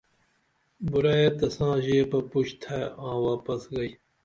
بُراعی تساں ژیپہ پُش تھے آں واپس گئی